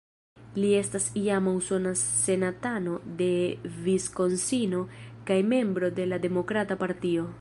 Li estas iama usona senatano de Viskonsino kaj membro de la Demokrata Partio.